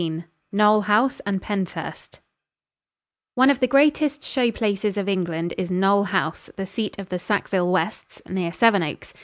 XIX KNOLE HOUSE AND PENSHURST One of the greatest show places of England is Knole House, the seat of the Sackville Wests, near Seven Oaks.